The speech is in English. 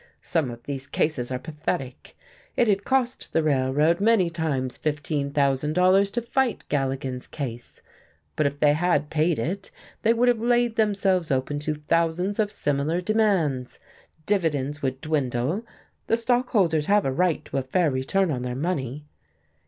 Some of these cases are pathetic. It had cost the Railroad many times fifteen thousand dollars to fight Galligan's case. But if they had paid it, they would have laid themselves open to thousands of similar demands. Dividends would dwindle. The stockholders have a right to a fair return on their money.